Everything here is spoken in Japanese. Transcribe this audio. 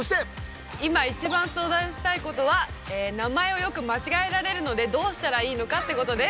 今一番相談したいことは名前をよくまちがえられるのでどうしたらいいのかってことです。